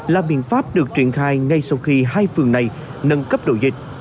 là biện pháp được triển khai ngay sau khi hai phường này nâng cấp độ dịch